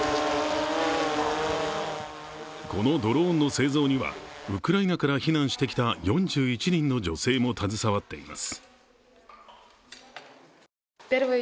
このドローンの製造にはウクライナから避難してきた４１人の女性も携わっています。